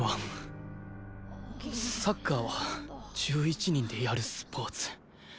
サッカーは１１人でやるスポーツ。